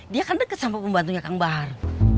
dia kan deket sama pembantunya kang bahar